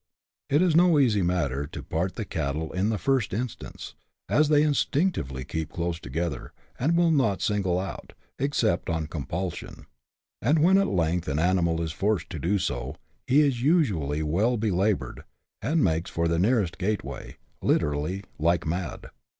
It is no easy matter to part the cattle in the first instance, as they instinctively keep close together, and will not single out, except on compulsion ; and when at length an animal is forced to do so, he is usually well belaboured, and makes for the nearest gateway, literally " like mad."